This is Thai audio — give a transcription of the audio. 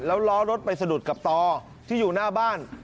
แล้วล้อรถไปสะดุดกับต่อที่อยู่หน้าบ้าน